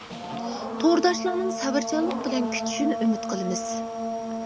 تورداشلارنىڭ سەۋرچانلىق بىلەن كۈتۈشىنى ئۈمىد قىلىمىز.